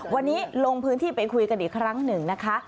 วันนี้ลงพื้นที่ไปคุยกันอีกครั้งหนึ่งนะคะ